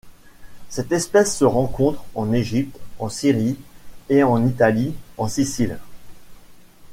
Cette espèce se rencontre en Égypte, en Syrie et en Italie en Sicile.